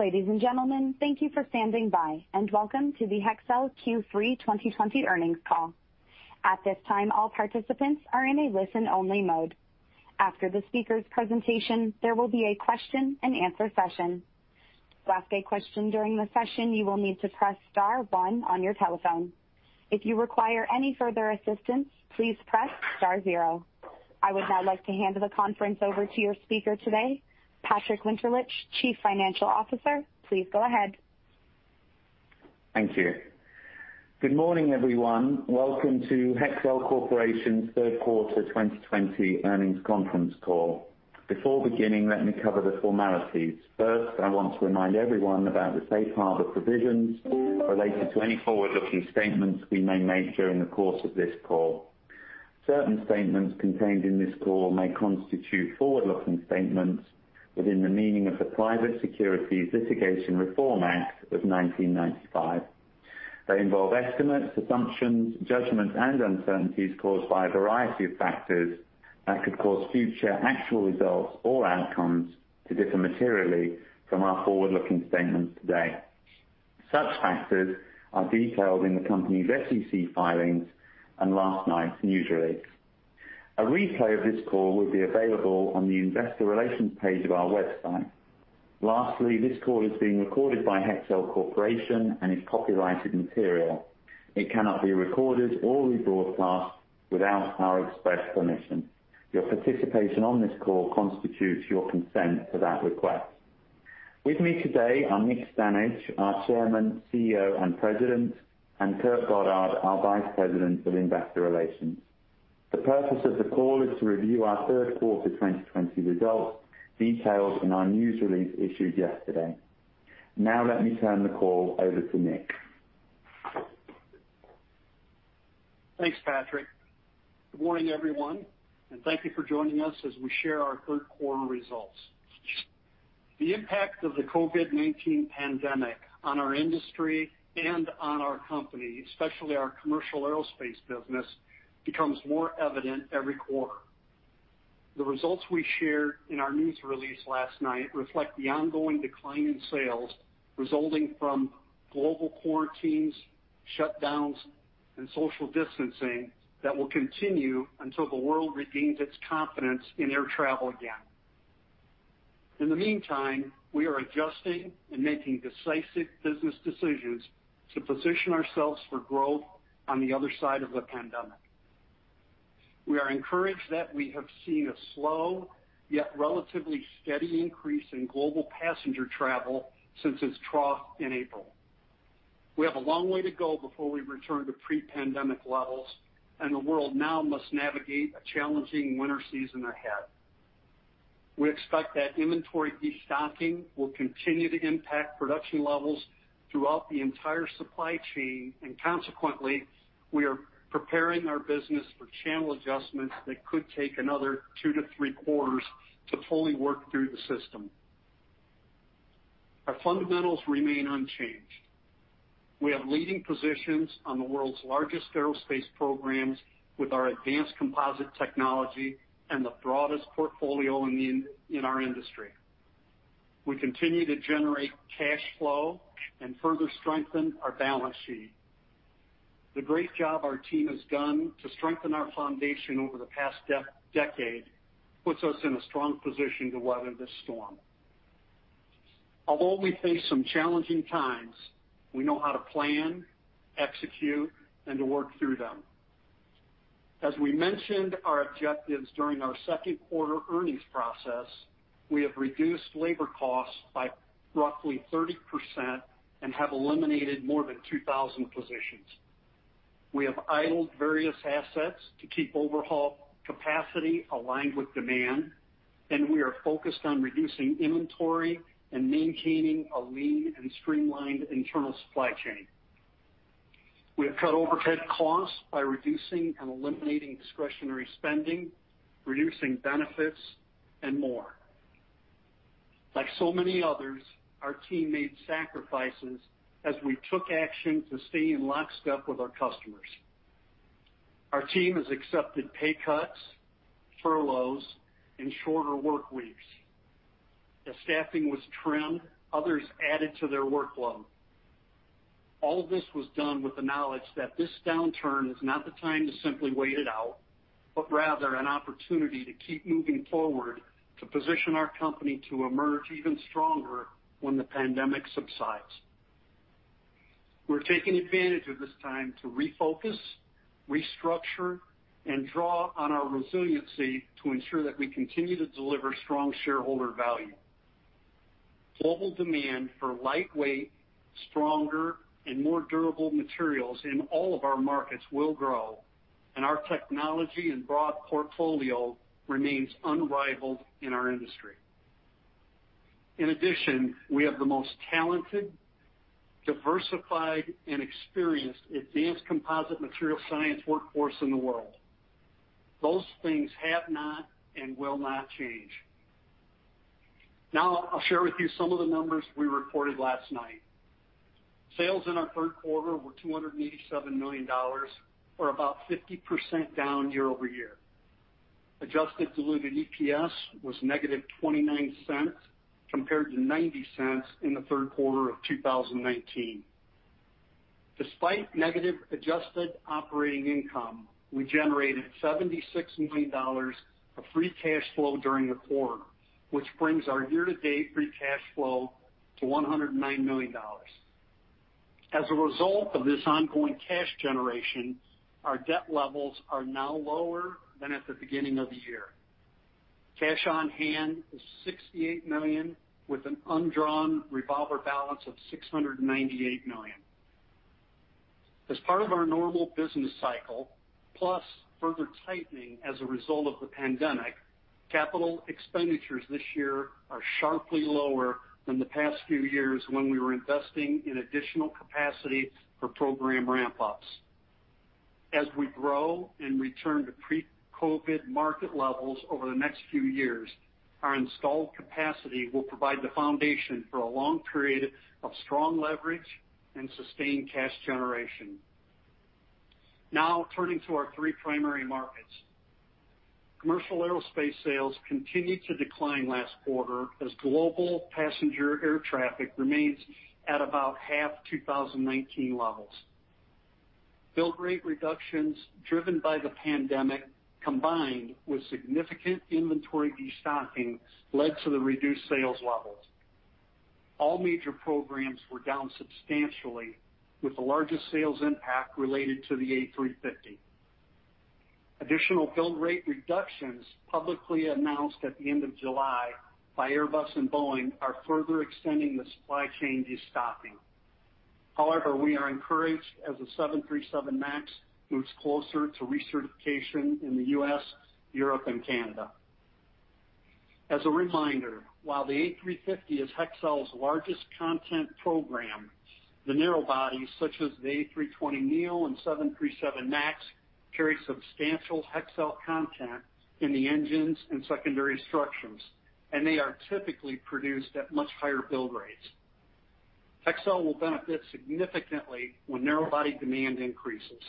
Ladies and gentlemen, thank you for standing by, and welcome to the Hexcel Q3 2020 earnings call. I would now like to hand the conference over to your speaker today, Patrick Winterlich, Chief Financial Officer. Please go ahead. Thank you. Good morning, everyone. Welcome to Hexcel Corporation's third quarter 2020 earnings conference call. Before beginning, let me cover the formalities. First, I want to remind everyone about the safe harbor provisions related to any forward-looking statements we may make during the course of this call. Certain statements contained in this call may constitute forward-looking statements within the meaning of the Private Securities Litigation Reform Act of 1995. They involve estimates, assumptions, judgments, and uncertainties caused by a variety of factors that could cause future actual results or outcomes to differ materially from our forward-looking statements today. Such factors are detailed in the company's SEC filings and last night's news release. A replay of this call will be available on the investor relations page of our website. Lastly, this call is being recorded by Hexcel Corporation and is copyrighted material. It cannot be recorded or rebroadcast without our express permission. Your participation on this call constitutes your consent to that request. With me today are Nick Stanage, our Chairman, CEO, and President, and Kurt Goddard, our Vice President of Investor Relations. The purpose of the call is to review our third quarter 2020 results, detailed in our news release issued yesterday. Now let me turn the call over to Nick. Thanks, Patrick. Good morning, everyone, and thank you for joining us as we share our third quarter results. The impact of the COVID-19 pandemic on our industry and on our company, especially our commercial aerospace business, becomes more evident every quarter. The results we shared in our news release last night reflect the ongoing decline in sales resulting from global quarantines, shutdowns, and social distancing that will continue until the world regains its confidence in air travel again. In the meantime, we are adjusting and making decisive business decisions to position ourselves for growth on the other side of the pandemic. We are encouraged that we have seen a slow, yet relatively steady increase in global passenger travel since its trough in April. We have a long way to go before we return to pre-pandemic levels, and the world now must navigate a challenging winter season ahead. We expect that inventory destocking will continue to impact production levels throughout the entire supply chain, and consequently, we are preparing our business for channel adjustments that could take another two to three quarters to fully work through the system. Our fundamentals remain unchanged. We have leading positions on the world's largest aerospace programs with our advanced composite technology and the broadest portfolio in our industry. We continue to generate cash flow and further strengthen our balance sheet. The great job our team has done to strengthen our foundation over the past decade puts us in a strong position to weather this storm. Although we face some challenging times, we know how to plan, execute, and to work through them. As we mentioned our objectives during our second quarter earnings process, we have reduced labor costs by roughly 30% and have eliminated more than 2,000 positions. We have idled various assets to keep overhaul capacity aligned with demand, we are focused on reducing inventory and maintaining a lean and streamlined internal supply chain. We have cut overhead costs by reducing and eliminating discretionary spending, reducing benefits, and more. Like so many others, our team made sacrifices as we took action to stay in lockstep with our customers. Our team has accepted pay cuts, furloughs, and shorter workweeks. As staffing was trimmed, others added to their workload. All of this was done with the knowledge that this downturn is not the time to simply wait it out, rather an opportunity to keep moving forward to position our company to emerge even stronger when the pandemic subsides. We're taking advantage of this time to refocus, restructure, and draw on our resiliency to ensure that we continue to deliver strong shareholder value. Global demand for lightweight, stronger, and more durable materials in all of our markets will grow, and our technology and broad portfolio remains unrivaled in our industry. In addition, we have the most talented, diversified, and experienced advanced composite material science workforce in the world. Those things have not and will not change. Now, I'll share with you some of the numbers we reported last night. Sales in our third quarter were $287 million, or about 50% down year-over-year. Adjusted diluted EPS was -$0.29 compared to $0.90 in the third quarter of 2019. Despite negative adjusted operating income, we generated $76 million of free cash flow during the quarter, which brings our year-to-date free cash flow to $109 million. As a result of this ongoing cash generation, our debt levels are now lower than at the beginning of the year. Cash on hand is $68 million with an undrawn revolver balance of $698 million. As part of our normal business cycle, plus further tightening as a result of the pandemic, capital expenditures this year are sharply lower than the past few years when we were investing in additional capacity for program ramp-ups. As we grow and return to pre-COVID market levels over the next few years, our installed capacity will provide the foundation for a long period of strong leverage and sustained cash generation. Now turning to our three primary markets. Commercial aerospace sales continued to decline last quarter as global passenger air traffic remains at about half 2019 levels. Build rate reductions driven by the pandemic, combined with significant inventory destocking, led to the reduced sales levels. All major programs were down substantially, with the largest sales impact related to the A350. Additional build rate reductions publicly announced at the end of July by Airbus and Boeing are further extending the supply chain destocking. We are encouraged as the 737 MAX moves closer to recertification in the U.S., Europe, and Canada. As a reminder, while the A350 is Hexcel's largest content program, the narrowbodies such as the A320neo and 737 MAX carry substantial Hexcel content in the engines and secondary structures, and they are typically produced at much higher build rates. Hexcel will benefit significantly when narrowbody demand increases.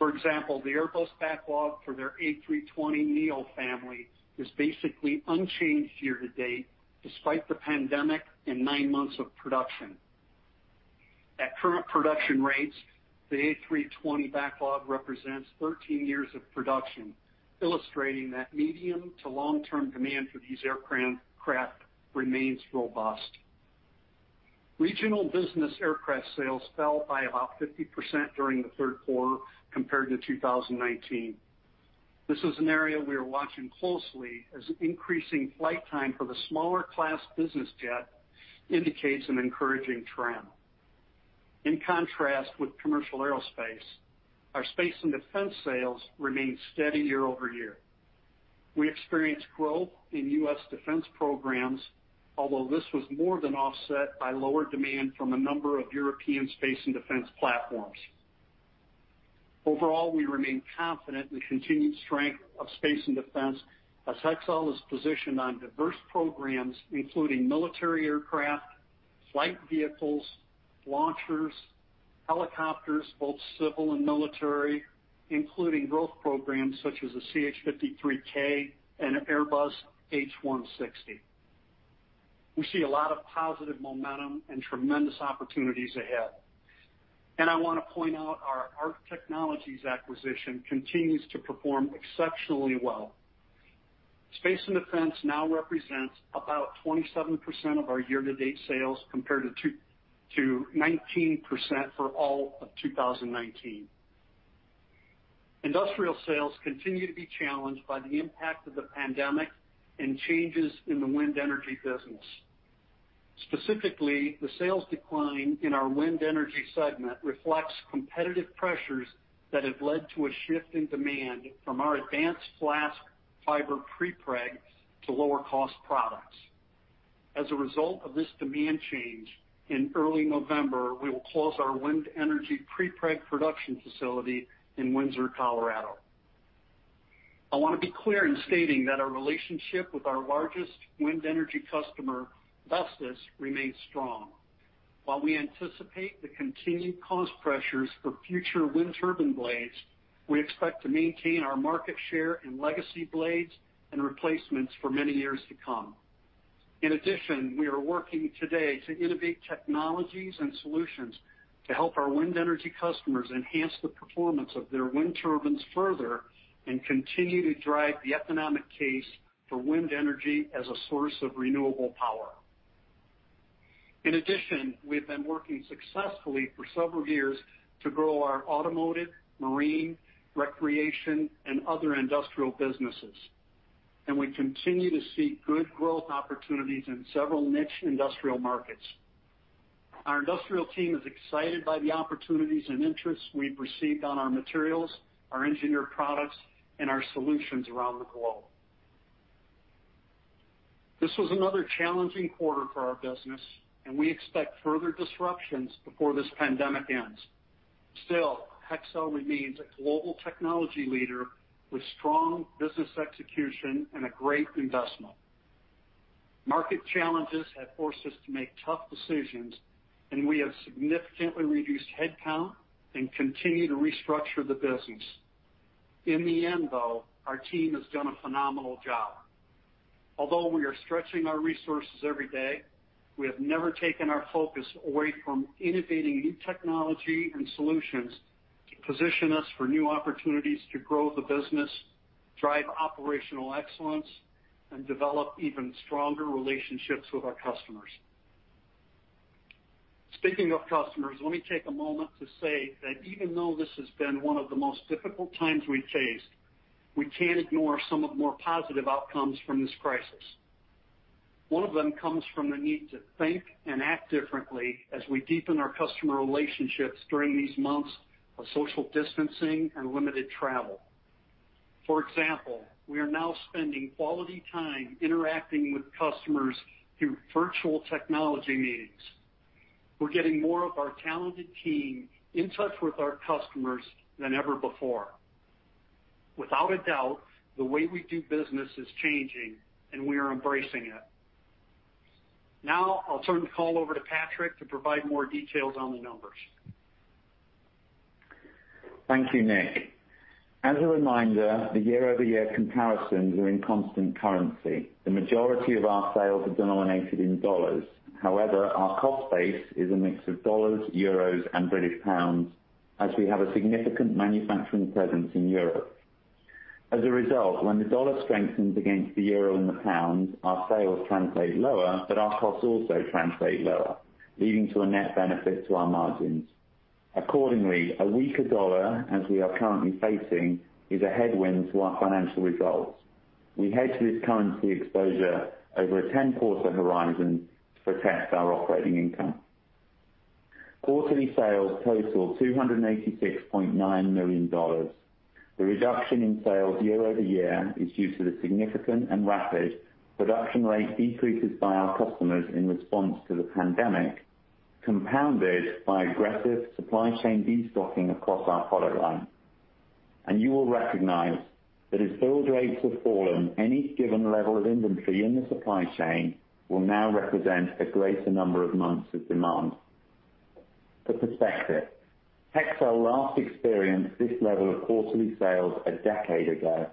The Airbus backlog for their A320neo family is basically unchanged year-to-date, despite the pandemic and nine months of production. At current production rates, the A320 backlog represents 13 years of production, illustrating that medium to long-term demand for these aircraft remains robust. Regional business aircraft sales fell by about 50% during the third quarter compared to 2019. This is an area we are watching closely as increasing flight time for the smaller class business jet indicates an encouraging trend. In contrast with commercial aerospace, our space and defense sales remained steady year-over-year. We experienced growth in U.S. defense programs, although this was more than offset by lower demand from a number of European space and defense platforms. Overall, we remain confident in the continued strength of space and defense as Hexcel is positioned on diverse programs, including military aircraft, flight vehicles, launchers, helicopters, both civil and military, including growth programs such as the CH-53K and Airbus H160. We see a lot of positive momentum and tremendous opportunities ahead. I want to point out our ARC Technologies acquisition continues to perform exceptionally well. Space and defense now represents about 27% of our year-to-date sales compared to 19% for all of 2019. Industrial sales continue to be challenged by the impact of the pandemic and changes in the wind energy business. Specifically, the sales decline in our wind energy segment reflects competitive pressures that have led to a shift in demand from our advanced glass fiber prepreg to lower cost products. As a result of this demand change, in early November, we will close our wind energy prepreg production facility in Windsor, Colorado. I want to be clear in stating that our relationship with our largest wind energy customer, Vestas, remains strong. While we anticipate the continued cost pressures for future wind turbine blades, we expect to maintain our market share in legacy blades and replacements for many years to come. In addition, we are working today to innovate technologies and solutions to help our wind energy customers enhance the performance of their wind turbines further and continue to drive the economic case for wind energy as a source of renewable power. In addition, we've been working successfully for several years to grow our automotive, marine, recreation, and other industrial businesses, and we continue to see good growth opportunities in several niche industrial markets. Our industrial team is excited by the opportunities and interests we've received on our materials, our Engineered Products, and our solutions around the globe. This was another challenging quarter for our business and we expect further disruptions before this pandemic ends. Still, Hexcel remains a global technology leader with strong business execution and a great investment. Market challenges have forced us to make tough decisions, and we have significantly reduced headcount and continue to restructure the business. In the end, though, our team has done a phenomenal job. Although we are stretching our resources every day, we have never taken our focus away from innovating new technology and solutions to position us for new opportunities to grow the business, drive operational excellence, and develop even stronger relationships with our customers. Speaking of customers, let me take a moment to say that even though this has been one of the most difficult times we've faced, we can't ignore some of the more positive outcomes from this crisis. One of them comes from the need to think and act differently as we deepen our customer relationships during these months of social distancing and limited travel. For example, we are now spending quality time interacting with customers through virtual technology meetings. We're getting more of our talented team in touch with our customers than ever before. Without a doubt, the way we do business is changing, and we are embracing it. Now, I'll turn the call over to Patrick to provide more details on the numbers. Thank you, Nick. As a reminder, the year-over-year comparisons are in constant currency. The majority of our sales are denominated in dollars. However, our cost base is a mix of dollars, euros, and British pounds, as we have a significant manufacturing presence in Europe. As a result, when the dollar strengthens against the euro and the pound, our sales translate lower, but our costs also translate lower, leading to a net benefit to our margins. Accordingly, a weaker dollar, as we are currently facing, is a headwind to our financial results. We hedge this currency exposure over a 10-quarter horizon to protect our operating income. Quarterly sales totaled $286.9 million. The reduction in sales year-over-year is due to the significant and rapid production rate decreases by our customers in response to the pandemic, compounded by aggressive supply chain destocking across our product line. You will recognize that as build rates have fallen, any given level of inventory in the supply chain will now represent a greater number of months of demand. For perspective, Hexcel last experienced this level of quarterly sales a decade ago.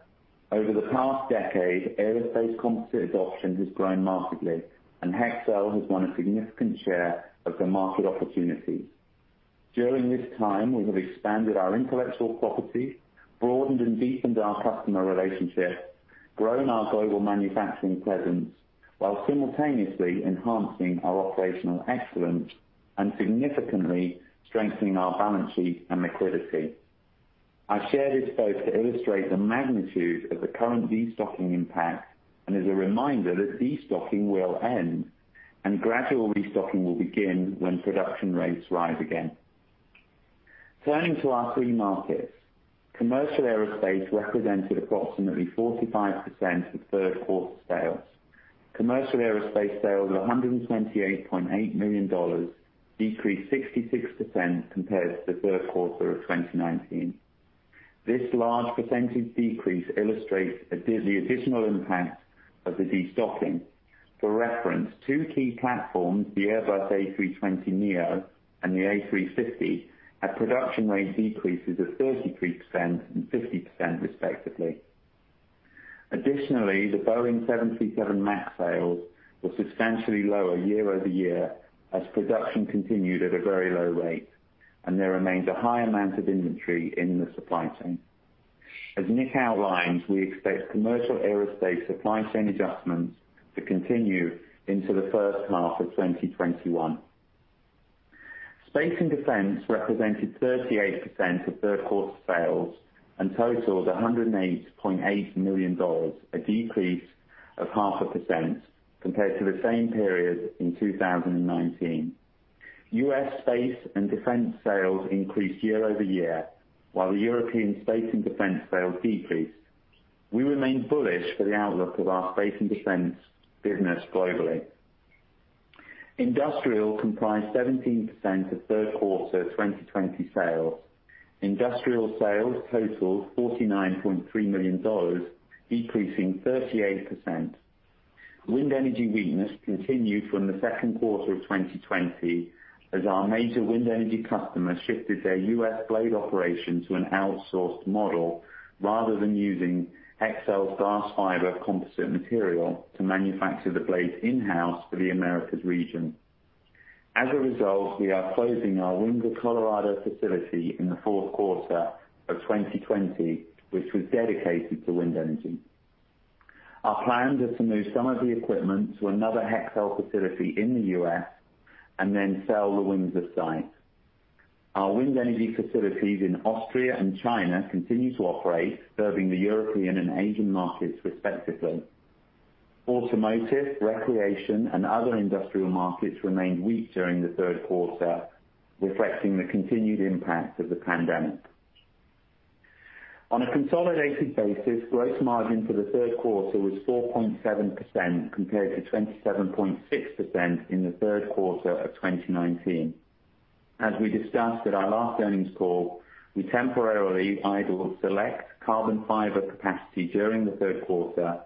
Over the past decade, aerospace composite adoption has grown markedly, and Hexcel has won a significant share of the market opportunities. During this time, we have expanded our intellectual property, broadened and deepened our customer relationships, grown our global manufacturing presence, while simultaneously enhancing our operational excellence and significantly strengthening our balance sheet and liquidity. I share this both to illustrate the magnitude of the current destocking impact and as a reminder that destocking will end, and gradual restocking will begin when production rates rise again. Turning to our three markets, commercial aerospace represented approximately 45% of third quarter sales. Commercial aerospace sales of $128.8 million decreased 66% compared to the third quarter of 2019. This large percentage decrease illustrates the additional impact of the destocking. For reference, two key platforms, the Airbus A320neo and the A350, had production rate decreases of 33% and 50%, respectively. The Boeing 737 MAX sales were substantially lower year-over-year as production continued at a very low rate, and there remains a high amount of inventory in the supply chain. As Nick outlined, we expect commercial aerospace supply chain adjustments to continue into the first half of 2021. Space and defense represented 38% of third quarter sales and totaled $108.8 million, a decrease of 0.5% compared to the same period in 2019. U.S. space and defense sales increased year-over-year, while the European space and defense sales decreased. We remain bullish for the outlook of our space and defense business globally. Industrial comprised 17% of third quarter 2020 sales. Industrial sales totaled $49.3 million, decreasing 38%. Wind energy weakness continued from the second quarter of 2020, as our major wind energy customer shifted their U.S. blade operation to an outsourced model rather than using Hexcel's glass fiber composite material to manufacture the blades in-house for the Americas region. As a result, we are closing our Windsor, Colorado, facility in the fourth quarter of 2020, which was dedicated to wind energy. Our plans are to move some of the equipment to another Hexcel facility in the U.S. and then sell the Windsor site. Our wind energy facilities in Austria and China continue to operate, serving the European and Asian markets respectively. Automotive, recreation, and other industrial markets remained weak during the third quarter, reflecting the continued impact of the pandemic. On a consolidated basis, gross margin for the third quarter was 4.7% compared to 27.6% in the third quarter of 2019. As we discussed at our last earnings call, we temporarily idled select carbon fiber capacity during the third quarter,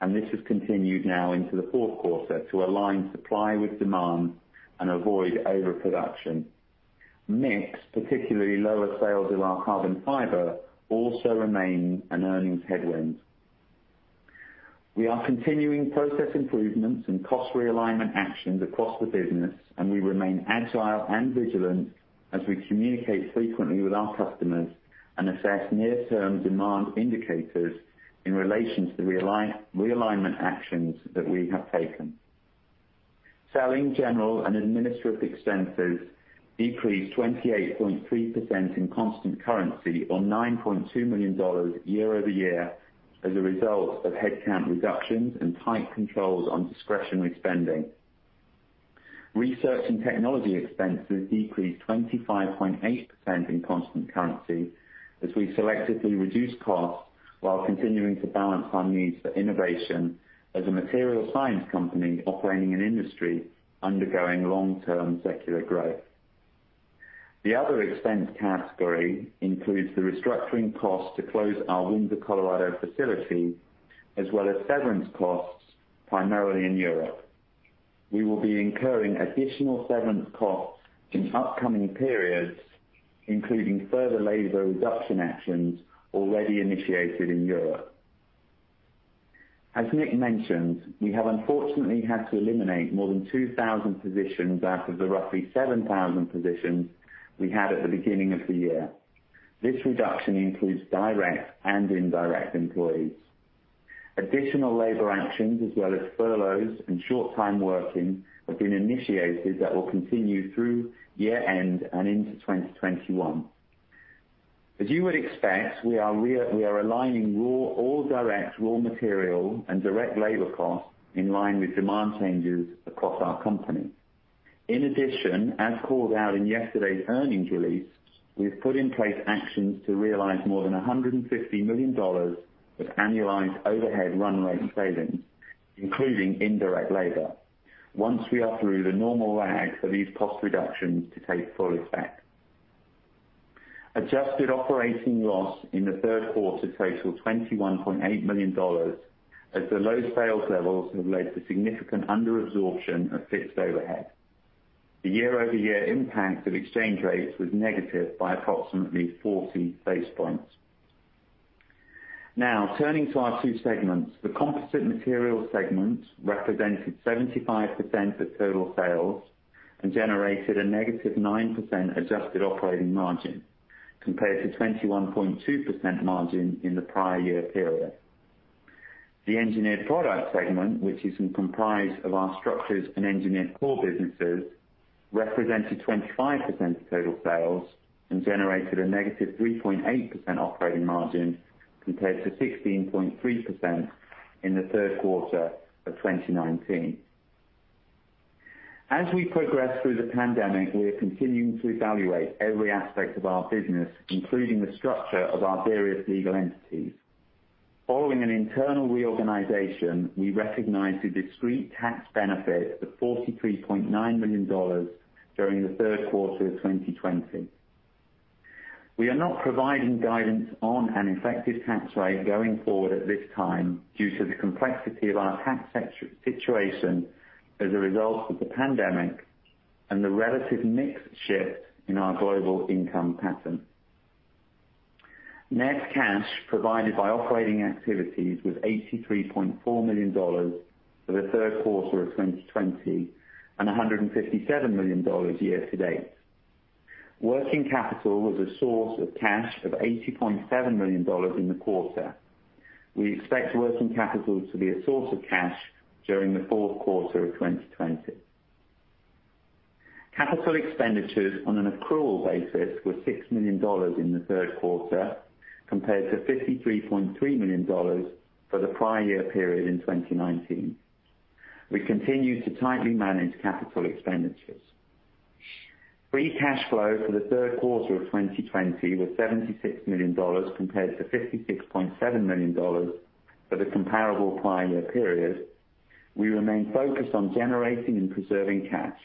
and this has continued now into the fourth quarter to align supply with demand and avoid overproduction. Mix, particularly lower sales in our carbon fiber, also remain an earnings headwind. We are continuing process improvements and cost realignment actions across the business, and we remain agile and vigilant as we communicate frequently with our customers and assess near-term demand indicators in relation to the realignment actions that we have taken. Selling, general, and administrative expenses decreased 28.3% in constant currency, or $9.2 million year-over-year, as a result of headcount reductions and tight controls on discretionary spending. Research and technology expenses decreased 25.8% in constant currency as we selectively reduced costs while continuing to balance our needs for innovation as a material science company operating in an industry undergoing long-term secular growth. The other expense category includes the restructuring costs to close our Windsor, Colorado facility, as well as severance costs, primarily in Europe. We will be incurring additional severance costs in upcoming periods, including further labor reduction actions already initiated in Europe. As Nick mentioned, we have unfortunately had to eliminate more than 2,000 positions out of the roughly 7,000 positions we had at the beginning of the year. This reduction includes direct and indirect employees. Additional labor actions, as well as furloughs and short-time working, have been initiated that will continue through year end and into 2021. As you would expect, we are aligning all direct raw material and direct labor costs in line with demand changes across our company. In addition, as called out in yesterday's earnings release, we have put in place actions to realize more than $150 million of annualized overhead run rate savings, including indirect labor, once we are through the normal lag for these cost reductions to take full effect. Adjusted operating loss in the third quarter totaled $21.8 million, as the low sales levels have led to significant under-absorption of fixed overhead. The year-over-year impact of exchange rates was negative by approximately 40 basis points. Now, turning to our two segments. The Composite Material segment represented 75% of total sales and generated a -9% adjusted operating margin compared to 21.2% margin in the prior-year period. The Engineered Products segment, which is comprised of our structures and engineered core businesses, represented 25% of total sales and generated a -3.8% operating margin compared to 16.3% in the third quarter of 2019. As we progress through the pandemic, we are continuing to evaluate every aspect of our business, including the structure of our various legal entities. Following an internal reorganization, we recognized a discrete tax benefit of $43.9 million during the third quarter of 2020. We are not providing guidance on an effective tax rate going forward at this time due to the complexity of our tax situation as a result of the pandemic and the relative mix shift in our global income pattern. Net cash provided by operating activities was $83.4 million for the third quarter of 2020 and $157 million year to date. Working capital was a source of cash of $80.7 million in the quarter. We expect working capital to be a source of cash during the fourth quarter of 2020. Capital expenditures on an accrual basis were $6 million in the third quarter compared to $53.3 million for the prior-year period in 2019. We continue to tightly manage capital expenditures. Free cash flow for the third quarter of 2020 was $76 million compared to $56.7 million for the comparable prior-year period. We remain focused on generating and preserving cash.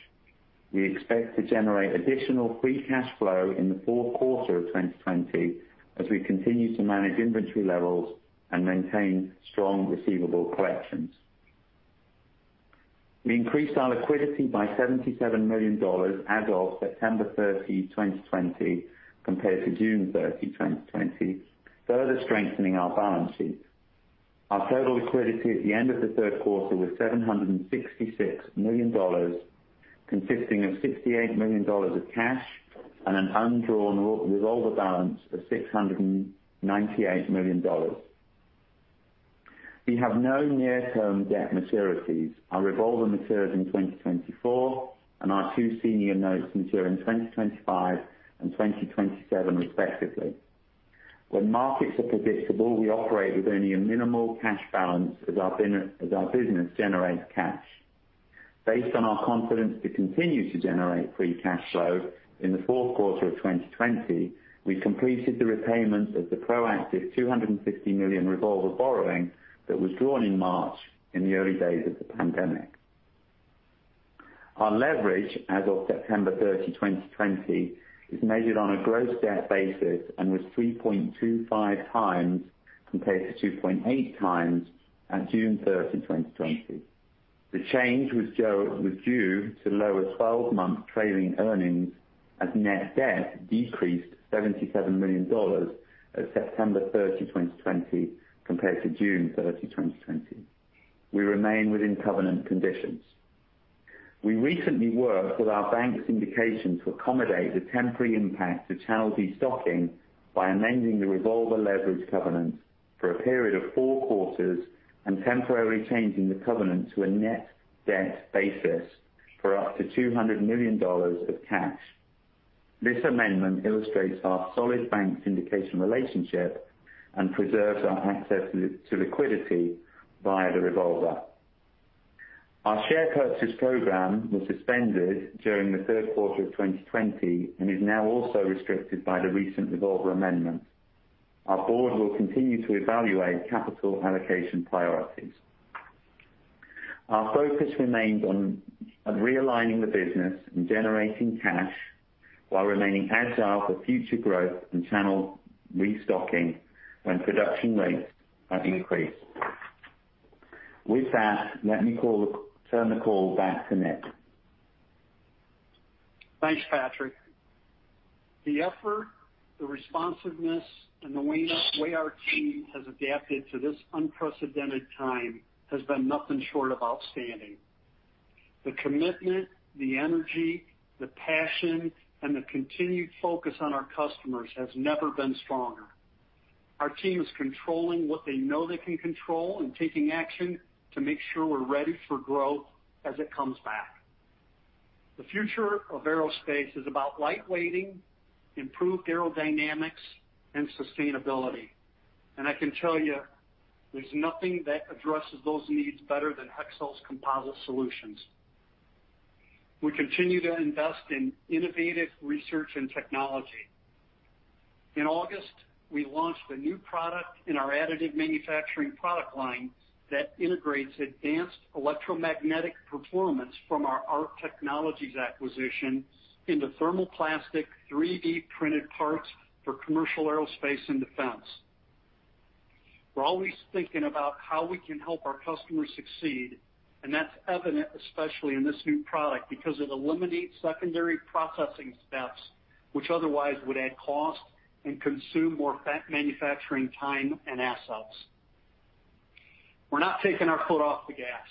We expect to generate additional free cash flow in the fourth quarter of 2020 as we continue to manage inventory levels and maintain strong receivable collections. We increased our liquidity by $77 million as of September 30, 2020, compared to June 30, 2020, further strengthening our balance sheet. Our total liquidity at the end of the third quarter was $766 million, consisting of $68 million of cash and an undrawn revolver balance of $698 million. We have no near-term debt maturities. Our revolver matures in 2024, and our two senior notes mature in 2025 and 2027, respectively. When markets are predictable, we operate with only a minimal cash balance as our business generates cash. Based on our confidence to continue to generate free cash flow in the fourth quarter of 2020, we completed the repayment of the proactive $250 million revolver borrowing that was drawn in March in the early days of the pandemic. Our leverage as of September 30, 2020, is measured on a gross debt basis and was 3.25x compared to 2.8x at June 30, 2020. The change was due to lower 12-month trailing earnings as net debt decreased $77 million at September 30, 2020, compared to June 30, 2020. We remain within covenant conditions. We recently worked with our bank syndication to accommodate the temporary impact to channel destocking by amending the revolver leverage covenant for a period of four quarters and temporarily changing the covenant to a net debt basis for up to $200 million of cash. This amendment illustrates our solid bank syndication relationship and preserves our access to liquidity via the revolver. Our share purchase program was suspended during the third quarter of 2020 and is now also restricted by the recent revolver amendment. Our board will continue to evaluate capital allocation priorities. Our focus remains on realigning the business and generating cash while remaining agile for future growth and channel restocking when production rates have increased. With that, let me turn the call back to Nick. Thanks, Patrick. The effort, the responsiveness, and the way our team has adapted to this unprecedented time has been nothing short of outstanding. The commitment, the energy, the passion, and the continued focus on our customers has never been stronger. Our team is controlling what they know they can control and taking action to make sure we're ready for growth as it comes back. The future of aerospace is about lightweighting, improved aerodynamics, and sustainability, and I can tell you, there's nothing that addresses those needs better than Hexcel's composite solutions. We continue to invest in innovative research and technology. In August, we launched a new product in our additive manufacturing product line that integrates advanced electromagnetic performance from our ARC Technologies acquisition into thermoplastic 3D-printed parts for commercial aerospace and defense. We're always thinking about how we can help our customers succeed. That's evident especially in this new product because it eliminates secondary processing steps, which otherwise would add cost and consume more manufacturing time and assets. We're not taking our foot off the gas.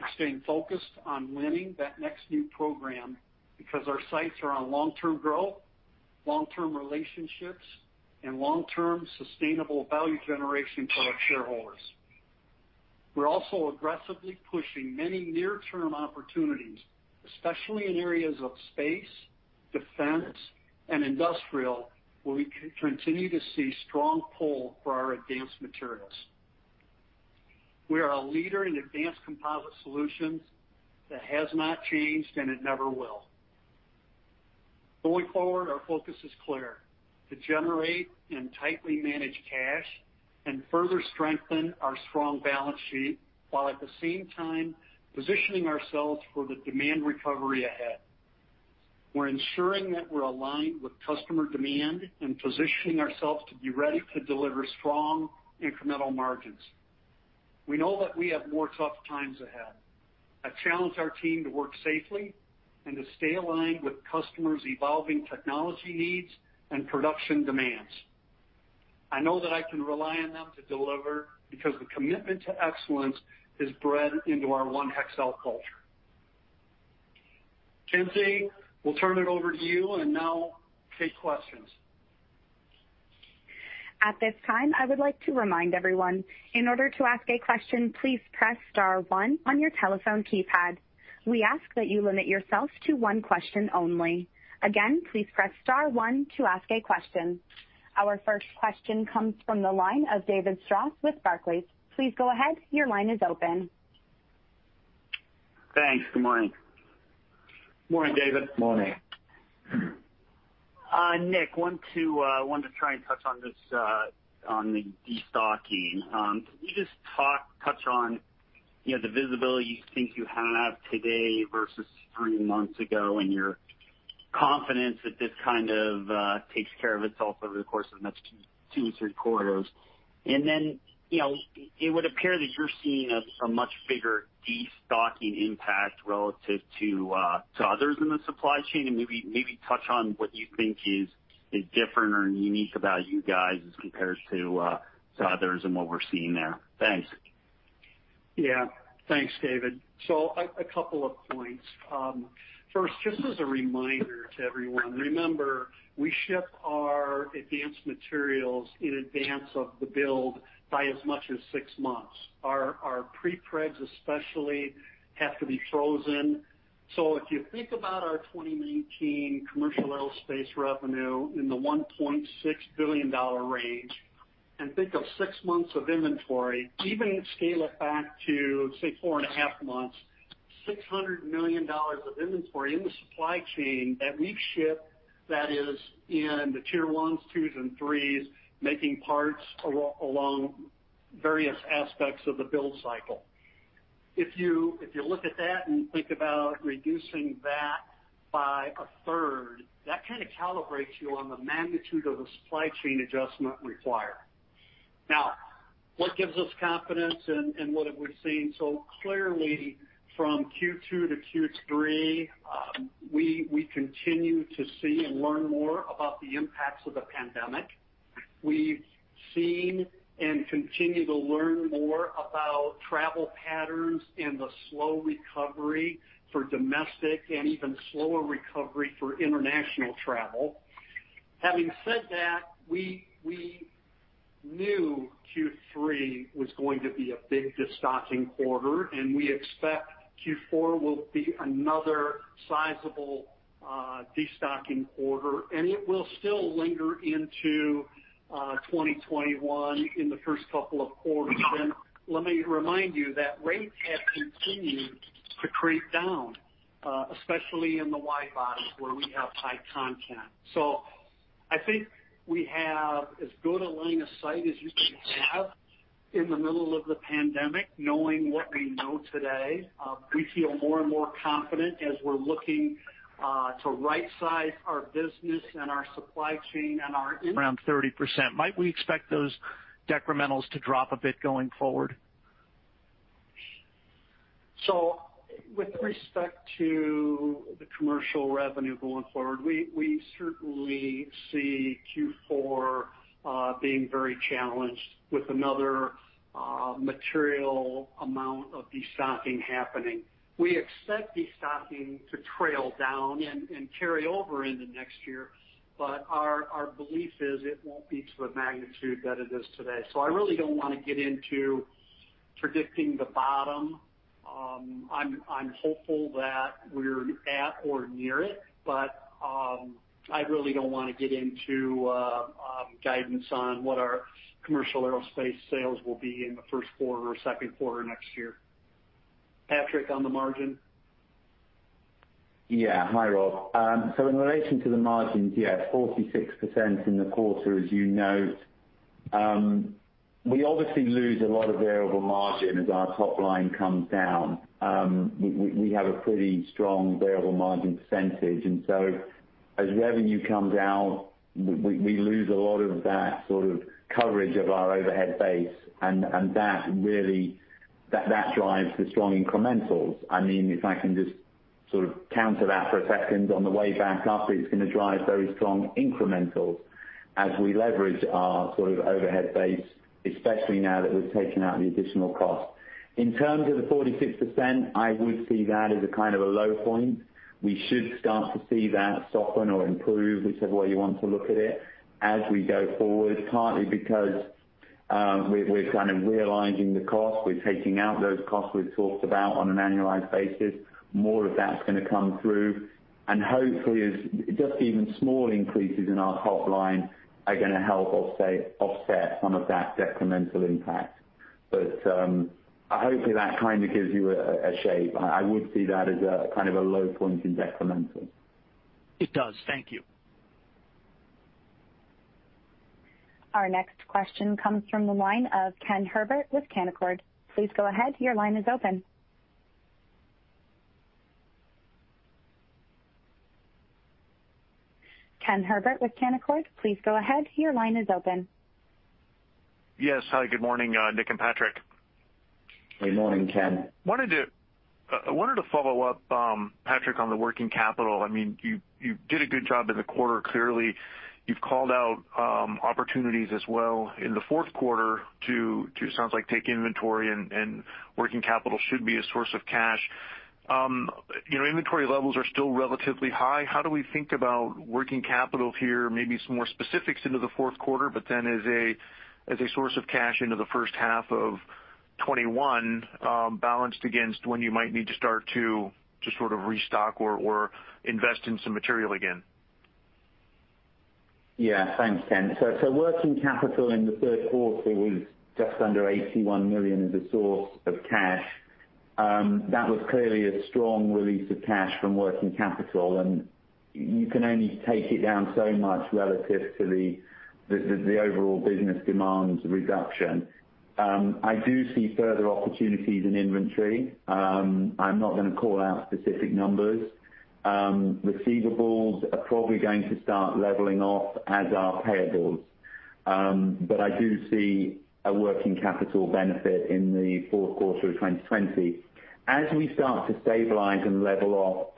We're staying focused on winning that next new program because our sights are on long-term growth, long-term relationships, and long-term sustainable value generation for our shareholders. We're also aggressively pushing many near-term opportunities, especially in areas of space, defense, and industrial, where we continue to see strong pull for our advanced materials. We are a leader in advanced composite solutions. That has not changed, it never will. Going forward, our focus is clear: to generate and tightly manage cash and further strengthen our strong balance sheet, while at the same time positioning ourselves for the demand recovery ahead. We're ensuring that we're aligned with customer demand and positioning ourselves to be ready to deliver strong incremental margins. We know that we have more tough times ahead. I challenge our team to work safely and to stay aligned with customers' evolving technology needs and production demands. I know that I can rely on them to deliver because the commitment to excellence is bred into our One Hexcel culture. Kenzie, we'll turn it over to you, and now take questions. At this time, I would like to remind everyone, in order to ask a question please press star one on your telephone keypad. We ask that you limit yourself to one question only. Again, please press star one to ask a question. Our first question comes from the line of David Strauss with Barclays. Please go ahead. Your line is open. Thanks. Good morning. Morning, David. Morning. Nick, wanted to try and touch on the destocking. Can you just touch on the visibility you think you have today versus three months ago, and your confidence that this kind of takes care of itself over the course of the next two to three quarters? It would appear that you're seeing a much bigger destocking impact relative to others in the supply chain. Maybe touch on what you think is different or unique about you guys as compared to others and what we're seeing there. Thanks. Yeah. Thanks, David. A couple of points. First, just as a reminder to everyone, remember, we ship our advanced materials in advance of the build by as much as six months. Our prepregs especially have to be frozen. If you think about our 2019 commercial aerospace revenue in the $1.6 billion range, and think of six months of inventory, even scale it back to, say, four and a half months, $600 million of inventory in the supply chain that we've shipped, that is in the Tier 1s, 2s, and 3s, making parts along various aspects of the build cycle. If you look at that and think about reducing that by a third, that kind of calibrates you on the magnitude of a supply chain adjustment required. What gives us confidence and what have we seen so clearly from Q2 to Q3, we continue to see and learn more about the impacts of the pandemic. We've seen and continue to learn more about travel patterns and the slow recovery for domestic, and even slower recovery for international travel. Having said that, we knew Q3 was going to be a big destocking quarter, and we expect Q4 will be another sizable destocking quarter, and it will still linger into 2021 in the first couple of quarters. Let me remind you that rates have continued to creep down, especially in the wide-bodies where we have high content. I think we have as good a line of sight as you can have in the middle of the pandemic, knowing what we know today. We feel more and more confident as we're looking to rightsize our business and our supply chain and our in [inaudible] Around 30%. Might we expect those decrementals to drop a bit going forward? With respect to the commercial revenue going forward, we certainly see Q4 being very challenged with another material amount of destocking happening. We expect destocking to trail down and carry over into next year. Our belief is it won't be to the magnitude that it is today. I really don't want to get into predicting the bottom. I'm hopeful that we're at or near it, but, I really don't want to get into guidance on what our commercial aerospace sales will be in the first quarter or second quarter next year. Patrick, on the margin? Hi, Rob. In relation to the margins, 46% in the quarter, as you note. We obviously lose a lot of variable margin as our top line comes down. We have a pretty strong variable margin percentage, and so as revenue comes down, we lose a lot of that sort of coverage of our overhead base, and that really drives the strong incrementals. If I can just sort of counter that for a second, on the way back up, it's going to drive very strong incrementals as we leverage our overhead base, especially now that we've taken out the additional cost. In terms of the 46%, I would see that as a kind of a low point. We should start to see that soften or improve, whichever way you want to look at it, as we go forward, partly because we're kind of realizing the cost. We're taking out those costs we've talked about on an annualized basis. More of that's going to come through, hopefully just even small increases in our top line are going to help offset some of that decremental impact. Hopefully that kind of gives you a shape. I would see that as a kind of a low point in decremental. It does. Thank you. Our next question comes from the line of Ken Herbert with Canaccord. Ken Herbert with Canaccord, please go ahead, your line is open. Yes. Hi, good morning, Nick and Patrick. Good morning, Ken. I wanted to follow up, Patrick, on the working capital. You did a good job in the quarter, clearly. You've called out opportunities as well in the fourth quarter to, sounds like, take inventory and working capital should be a source of cash. Inventory levels are still relatively high. How do we think about working capital here, maybe some more specifics into the fourth quarter, but then as a source of cash into the first half of 2021, balanced against when you might need to start to sort of restock or invest in some material again? Yeah. Thanks, Ken. Working capital in the third quarter was just under $81 million as a source of cash. That was clearly a strong release of cash from working capital, and you can only take it down so much relative to the overall business demand reduction. I do see further opportunities in inventory. I'm not going to call out specific numbers. Receivables are probably going to start leveling off, as are payables. I do see a working capital benefit in the fourth quarter of 2020. As we start to stabilize and level off,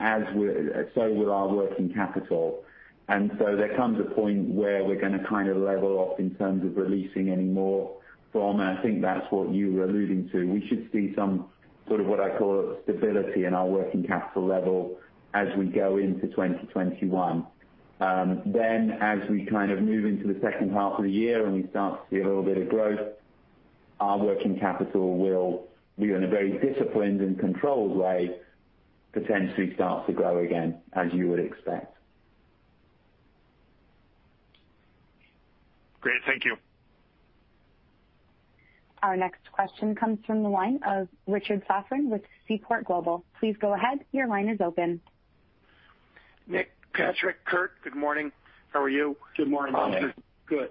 so will our working capital. There comes a point where we're going to kind of level off in terms of releasing any more. I think that's what you were alluding to. We should see some sort of what I call stability in our working capital level as we go into 2021. As we kind of move into the second half of the year and we start to see a little bit of growth, our working capital will, in a very disciplined and controlled way, potentially start to grow again as you would expect. Great. Thank you. Our next question comes from the line of Richard Safran with Seaport Global. Please go ahead, your line is open. Nick, Patrick, Kurt, good morning. How are you? Good morning, Richard. Good.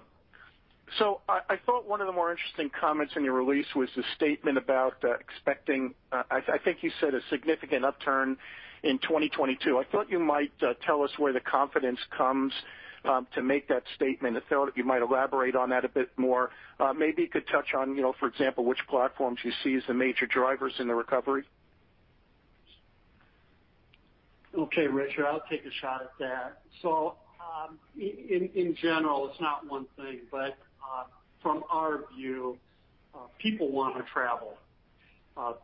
I thought one of the more interesting comments in your release was the statement about expecting, I think you said, a significant upturn in 2022. I thought you might tell us where the confidence comes from to make that statement. I thought you might elaborate on that a bit more. Maybe you could touch on, for example, which platforms you see as the major drivers in the recovery. Okay, Richard, I'll take a shot at that. In general, it's not one thing, but from our view, people want to travel.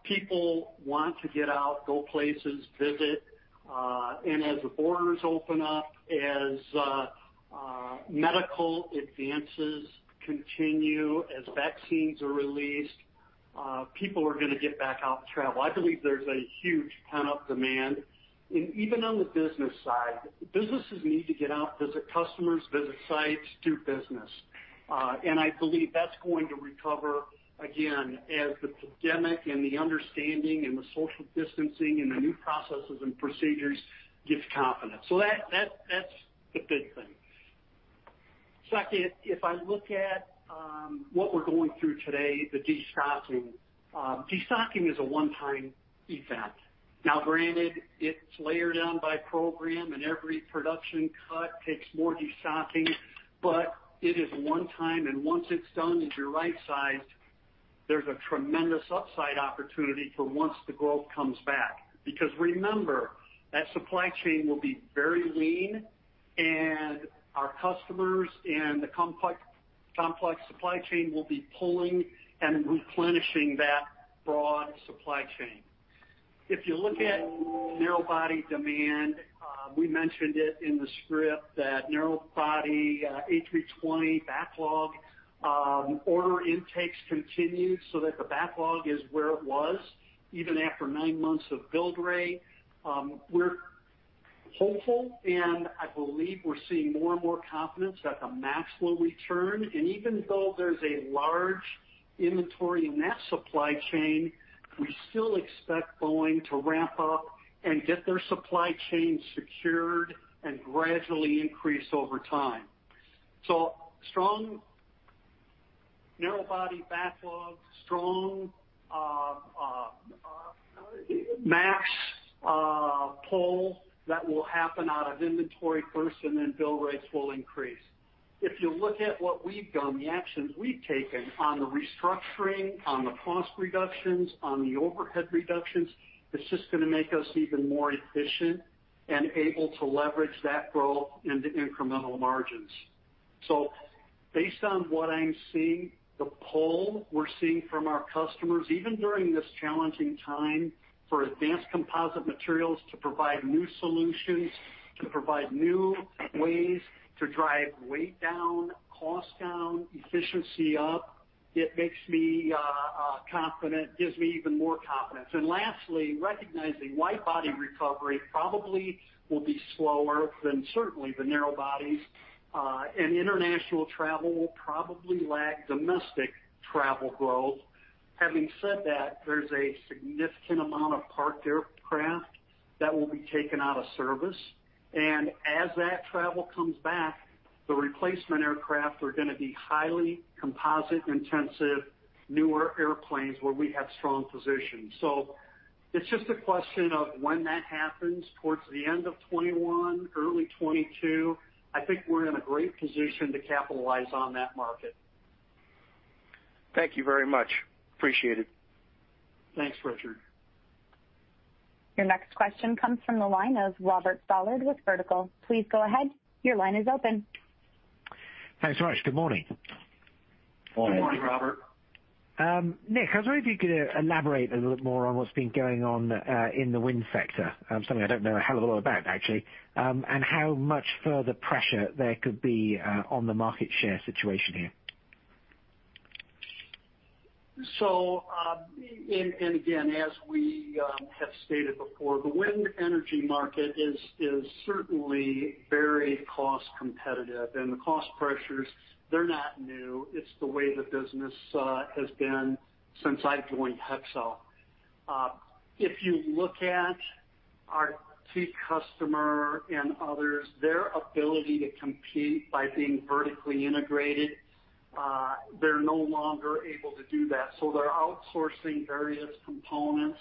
People want to get out, go places, visit. As the borders open up, as medical advances continue, as vaccines are released, people are going to get back out and travel. I believe there's a huge pent-up demand. Even on the business side, businesses need to get out, visit customers, visit sites, do business. I believe that's going to recover again, as the pandemic and the understanding and the social distancing and the new processes and procedures gives confidence. That's the big thing. Second, if I look at what we're going through today, the destocking. Destocking is a one-time event. Granted, it's layered on by program, and every production cut takes more destocking, but it is one time, and once it's done and you're rightsized, there's a tremendous upside opportunity for once the growth comes back. Remember, that supply chain will be very lean, and our customers and the complex supply chain will be pulling and replenishing that broad supply chain. You look at narrowbody demand, we mentioned it in the script that narrowbody A320 backlog order intakes continue so that the backlog is where it was even after nine months of build rate. We're hopeful, and I believe we're seeing more and more confidence that the MAX will return, and even though there's a large inventory in that supply chain, we still expect Boeing to ramp up and get their supply chain secured and gradually increase over time. Strong narrowbody backlog, strong MAX pull that will happen out of inventory first, and then build rates will increase. If you look at what we've done, the actions we've taken on the restructuring, on the cost reductions, on the overhead reductions, it's just going to make us even more efficient and able to leverage that growth into incremental margins. Based on what I'm seeing, the pull we're seeing from our customers, even during this challenging time, for advanced composite materials to provide new solutions, to provide new ways to drive weight down, cost down, efficiency up, it makes me confident, gives me even more confidence. Lastly, recognizing widebody recovery probably will be slower than certainly the narrowbodies, and international travel will probably lag domestic travel growth. Having said that, there's a significant amount of parked aircraft that will be taken out of service, and as that travel comes back, the replacement aircraft are going to be highly composite-intensive, newer airplanes where we have strong positions. It's just a question of when that happens, towards the end of 2021, early 2022. I think we're in a great position to capitalize on that market. Thank you very much. Appreciate it. Thanks, Richard. Your next question comes from the line of Robert Stallard with Vertical. Please go ahead. Your line is open. Thanks so much. Good morning. Morning. Good morning, Robert. Nick, I was wondering if you could elaborate a little bit more on what's been going on in the wind sector, something I don't know a hell of a lot about, actually. How much further pressure there could be on the market share situation here. And again, as we have stated before, the wind energy market is certainly very cost competitive, and the cost pressures, they're not new. It's the way the business has been since I joined Hexcel. If you look at our key customer and others, their ability to compete by being vertically integrated, they're no longer able to do that. They're outsourcing various components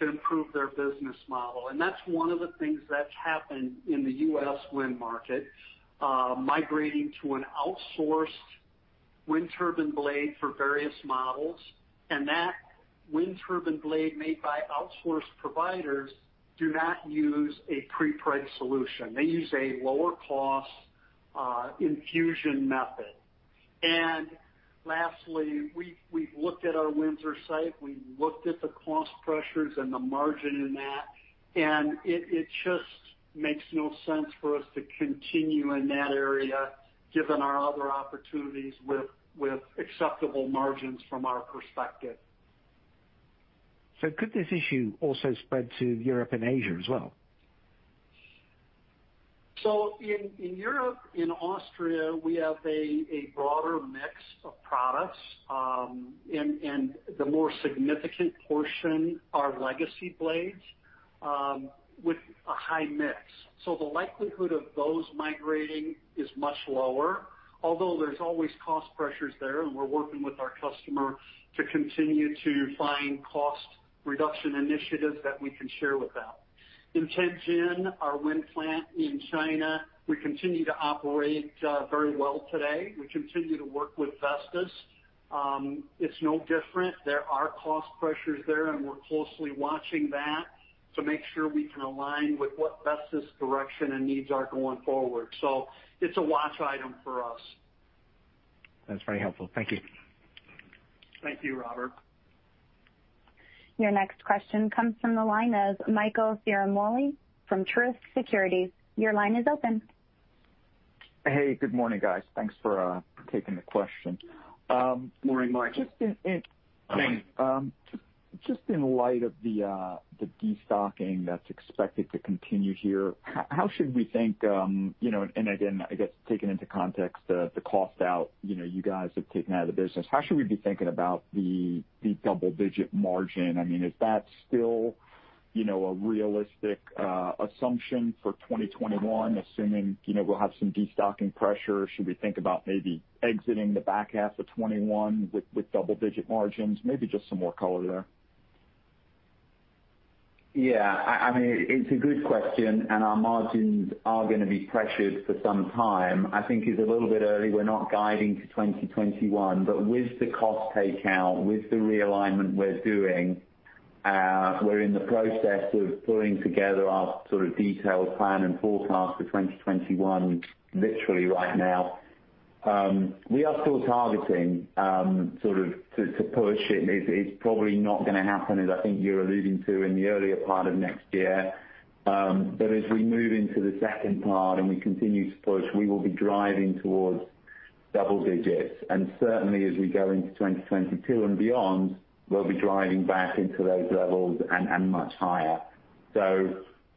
to improve their business model. That's one of the things that's happened in the U.S. wind market, migrating to an outsourced wind turbine blade for various models. That wind turbine blade made by outsourced providers do not use a prepreg solution. They use a lower-cost infusion method. Lastly, we've looked at our Windsor site. We looked at the cost pressures and the margin in that, and it just makes no sense for us to continue in that area given our other opportunities with acceptable margins from our perspective. Could this issue also spread to Europe and Asia as well? In Europe, in Austria, we have a broader mix of products, and the more significant portion are legacy blades with a high mix. Although there's always cost pressures there, and we're working with our customer to continue to find cost reduction initiatives that we can share with them. In Tianjin, our wind plant in China, we continue to operate very well today. We continue to work with Vestas. It's no different. There are cost pressures there, and we're closely watching that to make sure we can align with what Vestas' direction and needs are going forward. It's a watch item for us. That's very helpful. Thank you. Thank you, Robert. Your next question comes from the line of Michael Ciarmoli from Truist Securities. Your line is open. Hey, good morning, guys. Thanks for taking the question. Morning, Mike. Morning. Just in light of the destocking that's expected to continue here, how should we think, again, I guess taken into context the cost out you guys have taken out of the business, how should we be thinking about the double-digit margin? I mean, is that still a realistic assumption for 2021, assuming we'll have some destocking pressure? Should we think about maybe exiting the back half of 2021 with double-digit margins? Maybe just some more color there. Yeah. It's a good question, and our margins are going to be pressured for some time. I think it's a little bit early. We're not guiding to 2021. With the cost take out, with the realignment we're doing, we're in the process of pulling together our detailed plan and forecast for 2021 literally right now. We are still targeting to push. It's probably not going to happen, as I think you're alluding to, in the earlier part of next year. As we move into the second part and we continue to push, we will be driving towards double digits. Certainly, as we go into 2022 and beyond, we'll be driving back into those levels and much higher.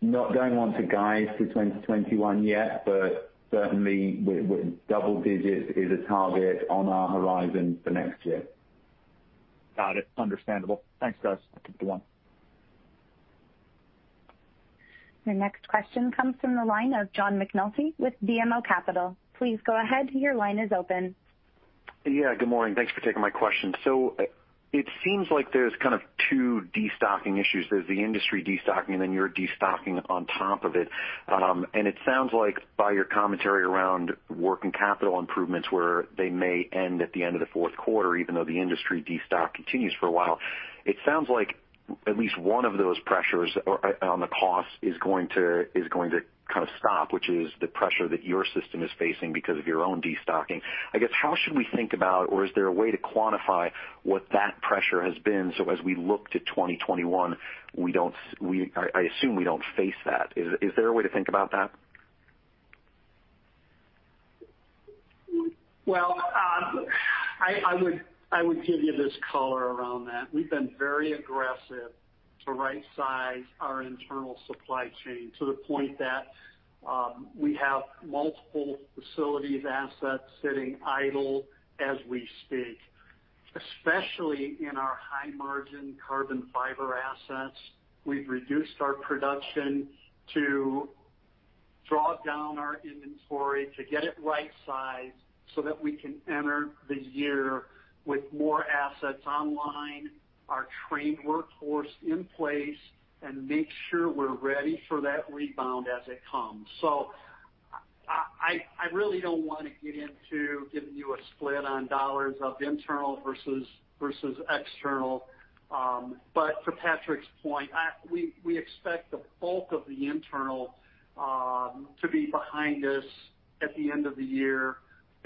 Not going on to guide for 2021 yet, but certainly double digits is a target on our horizon for next year. Got it. Understandable. Thanks, guys. Have a good one. Your next question comes from the line of John McNulty with BMO Capital. Please go ahead. Your line is open. Yeah, good morning. Thanks for taking my question. It seems like there's kind of two destocking issues. There's the industry destocking and then your destocking on top of it. It sounds like by your commentary around working capital improvements, where they may end at the end of the fourth quarter, even though the industry de-stock continues for a while. It sounds like at least one of those pressures on the cost is going to kind of stop, which is the pressure that your system is facing because of your own destocking. I guess, how should we think about, or is there a way to quantify what that pressure has been so as we look to 2021, I assume we don't face that. Is there a way to think about that? I would give you this color around that. We've been very aggressive to rightsize our internal supply chain to the point that we have multiple facilities, assets sitting idle as we speak, especially in our high-margin carbon fiber assets. We've reduced our production to draw down our inventory to get it rightsized so that we can enter the year with more assets online, our trained workforce in place, and make sure we're ready for that rebound as it comes. I really don't want to get into giving you a split on dollars of internal versus external. To Patrick's point, we expect the bulk of the internal to be behind us at the end of the year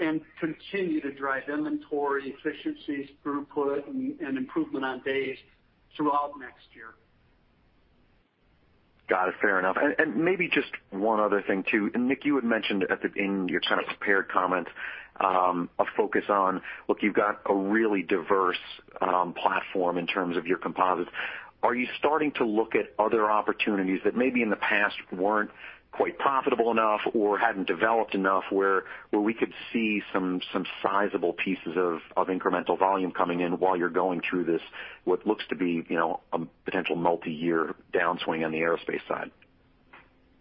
and continue to drive inventory efficiencies, throughput, and improvement on days throughout next year. Got it. Fair enough. Maybe just one other thing, too. Nick, you had mentioned at the end your kind of prepared comments, a focus on, look, you've got a really diverse platform in terms of your composites. Are you starting to look at other opportunities that maybe in the past weren't quite profitable enough or hadn't developed enough, where we could see some sizable pieces of incremental volume coming in while you're going through this, what looks to be, a potential multi-year downswing on the aerospace side?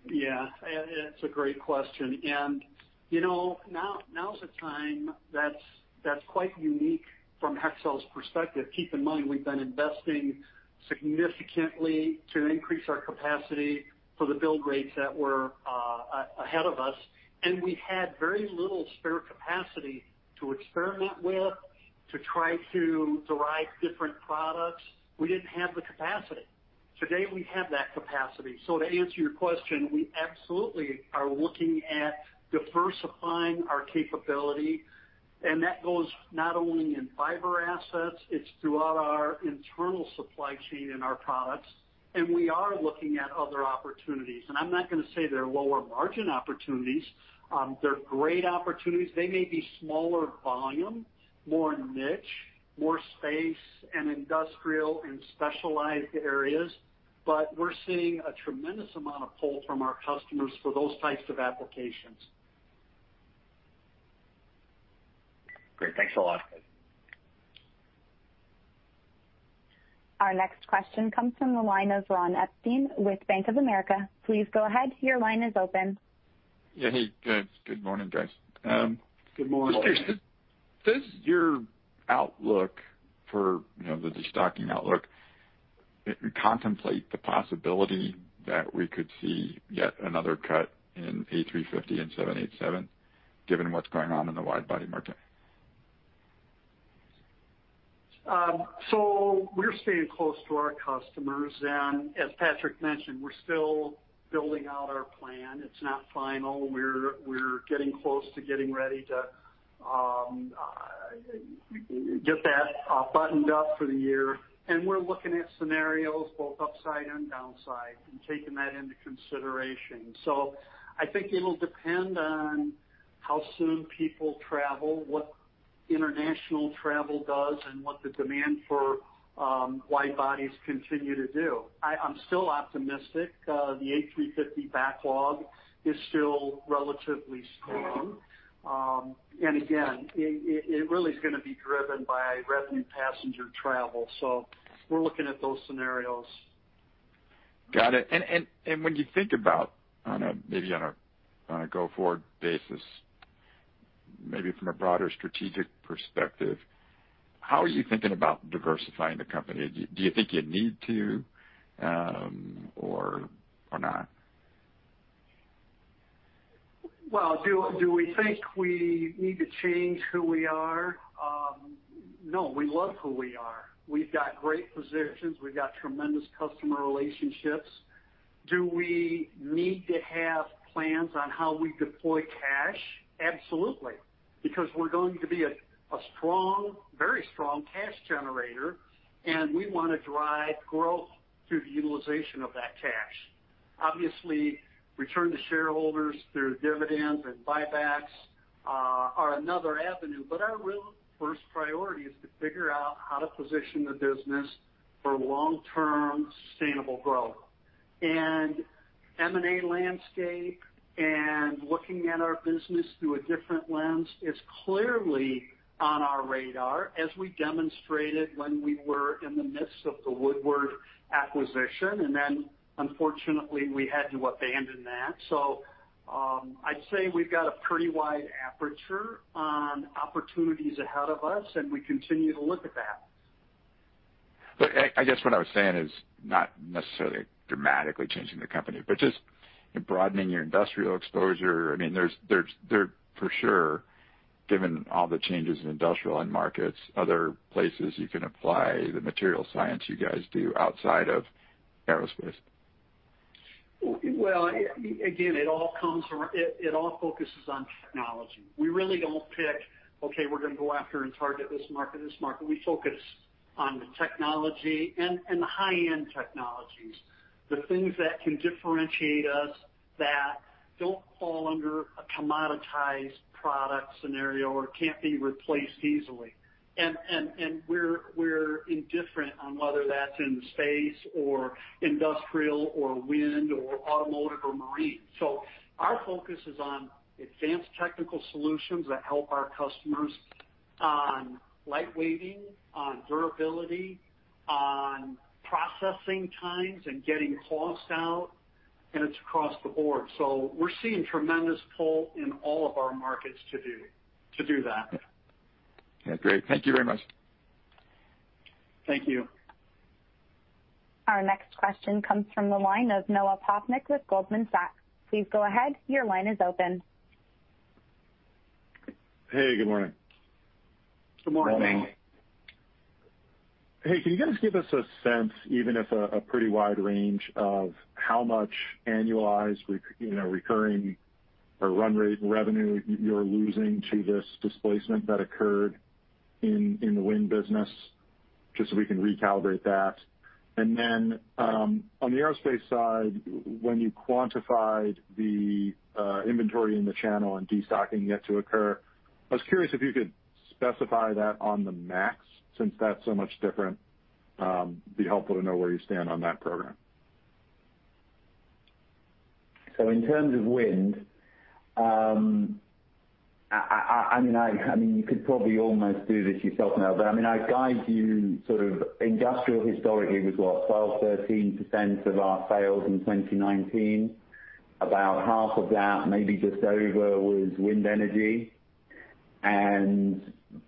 Yeah. It's a great question. Now's a time that's quite unique from Hexcel's perspective. Keep in mind, we've been investing significantly to increase our capacity for the build rates that were ahead of us, and we had very little spare capacity to experiment with to try to derive different products. We didn't have the capacity. Today, we have that capacity. To answer your question, we absolutely are looking at diversifying our capability, and that goes not only in fiber assets, it's throughout our internal supply chain in our products, and we are looking at other opportunities. I'm not going to say they're lower-margin opportunities. They're great opportunities. They may be smaller volume, more niche, more space and industrial and specialized areas, but we're seeing a tremendous amount of pull from our customers for those types of applications. Great. Thanks a lot. Our next question comes from the line of Ron Epstein with Bank of America. Please go ahead, your line is open. Yeah. Hey, good morning, guys. Good morning. Just curious, does your outlook for the destocking outlook contemplate the possibility that we could see yet another cut in A350 and 787, given what's going on in the widebody market? We're staying close to our customers, and as Patrick mentioned, we're still building out our plan. It's not final. We're getting close to getting ready to get that buttoned up for the year, and we're looking at scenarios both upside and downside and taking that into consideration. I think it'll depend on how soon people travel, what international travel does, and what the demand for wide bodies continue to do. I'm still optimistic. The A350 backlog is still relatively strong. Again, it really is going to be driven by revenue passenger travel. We're looking at those scenarios. Got it. When you think about, maybe on a go-forward basis, maybe from a broader strategic perspective, how are you thinking about diversifying the company? Do you think you need to or not? Well, do we think we need to change who we are? No, we love who we are. We've got great positions. We've got tremendous customer relationships. Do we need to have plans on how we deploy cash? Absolutely. We're going to be a very strong cash generator, and we want to drive growth through the utilization of that cash. Obviously, return to shareholders through dividends and buybacks are another avenue, but our real first priority is to figure out how to position the business for long-term sustainable growth. M&A landscape and looking at our business through a different lens is clearly on our radar, as we demonstrated when we were in the midst of the Woodward acquisition, and then unfortunately, we had to abandon that. I'd say we've got a pretty wide aperture on opportunities ahead of us, and we continue to look at that. I guess what I was saying is not necessarily dramatically changing the company, but just in broadening your industrial exposure. There for sure, given all the changes in industrial end markets, other places you can apply the material science you guys do outside of aerospace. Well, again, it all focuses on technology. We really don't pick, okay, we're going to go after and target this market. We focus on the technology and the high-end technologies, the things that can differentiate us that don't fall under a commoditized product scenario or can't be replaced easily. We're indifferent on whether that's in space or industrial or wind or automotive or marine. Our focus is on advanced technical solutions that help our customers on light-weighting, on durability, on processing times, and getting costs out, and it's across the board. We're seeing tremendous pull in all of our markets to do that. Yeah. Great. Thank you very much. Thank you. Our next question comes from the line of Noah Poponak with Goldman Sachs. Please go ahead. Your line is open. Hey, good morning. Good morning. Hey, can you guys give us a sense, even if a pretty wide range, of how much annualized recurring or run rate revenue you're losing to this displacement that occurred in the wind business, just so we can recalibrate that. Then, on the aerospace side, when you quantified the inventory in the channel and destocking yet to occur, I was curious if you could specify that on the MAX, since that's so much different. It'd be helpful to know where you stand on that program. In terms of wind, you could probably almost do this yourself now, but I guide you sort of industrial historically was what? 12%, 13% of our sales in 2019. About half of that, maybe just over, was wind energy.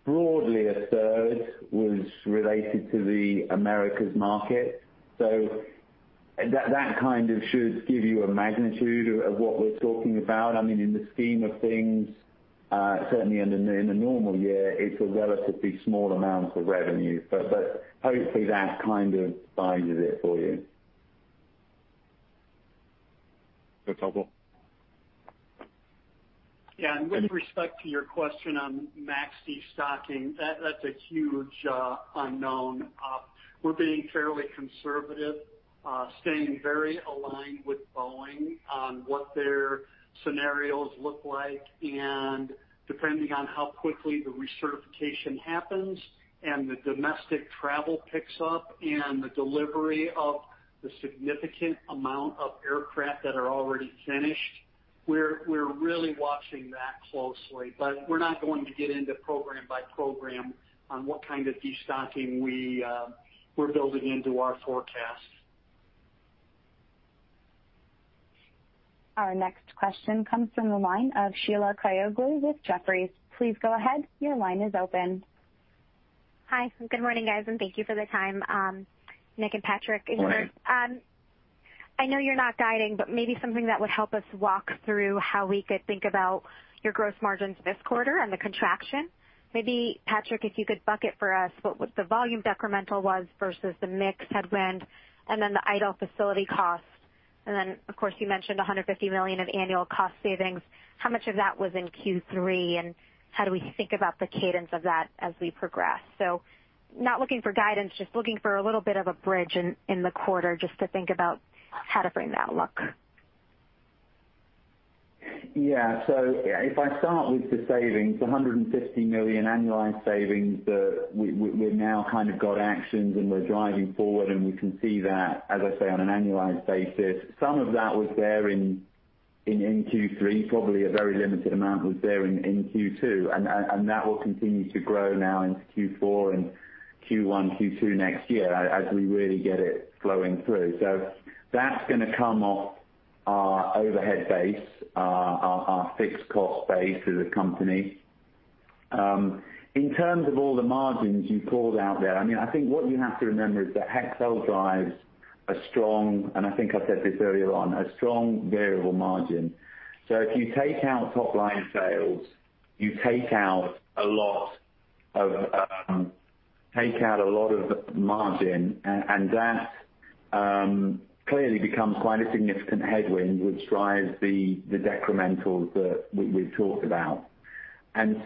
Broadly a third was related to the Americas market. That kind of should give you a magnitude of what we're talking about. In the scheme of things, certainly in a normal year, it's a relatively small amount of revenue. Hopefully that kind of guides it for you. That's helpful. With respect to your question on MAX destocking, that's a huge unknown. We're being fairly conservative, staying very aligned with Boeing on what their scenarios look like, and depending on how quickly the recertification happens and the domestic travel picks up and the delivery of the significant amount of aircraft that are already finished. We're really watching that closely, but we're not going to get into program by program on what kind of destocking we're building into our forecast. Our next question comes from the line of Sheila Kahyaoglu with Jefferies. Please go ahead. Your line is open. Hi. Good morning, guys, and thank you for the time. Nick and Patrick is there— Morning. I know you're not guiding. Maybe something that would help us walk through how we could think about your gross margins this quarter and the contraction. Maybe, Patrick, if you could bucket for us what the volume decremental was versus the mix headwind and then the idle facility cost. Of course, you mentioned $150 million of annual cost savings. How much of that was in Q3, and how do we think about the cadence of that as we progress? Not looking for guidance, just looking for a little bit of a bridge in the quarter just to think about how to frame that look. Yeah. If I start with the savings, the $150 million annualized savings that we've now kind of got actions, and we're driving forward, and we can see that, as I say, on an annualized basis. Some of that was there in Q3, probably a very limited amount was there in Q2. That will continue to grow now into Q4 and Q1, Q2 next year as we really get it flowing through. That's going to come off our overhead base, our fixed cost base as a company. In terms of all the margins you called out there, I think what you have to remember is that Hexcel drives a strong, and I think I said this earlier on, a strong variable margin. If you take out top-line sales, you take out a lot of margin, and that clearly becomes quite a significant headwind, which drives the decrementals that we've talked about.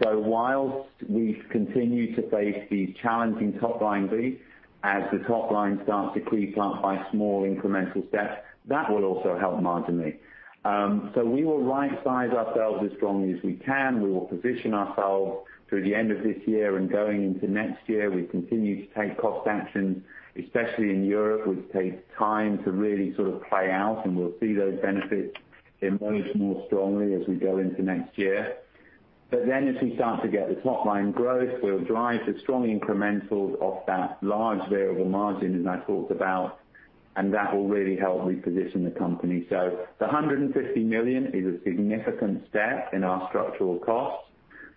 Whilst we continue to face these challenging top-line fees, as the top line starts to creep up by small incremental steps, that will also help margining. We will rightsize ourselves as strongly as we can. We will position ourselves through the end of this year and going into next year. We continue to take cost actions, especially in Europe, which takes time to really sort of play out, and we'll see those benefits emerge more strongly as we go into next year. As we start to get the top-line growth, we'll drive the strong incrementals of that large variable margin, as I talked about, and that will really help reposition the company. The $150 million is a significant step in our structural costs.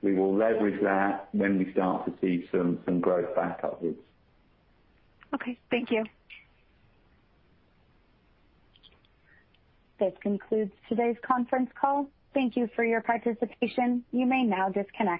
We will leverage that when we start to see some growth back upwards. Okay. Thank you. This concludes today's conference call. Thank you for your participation. You may now disconnect.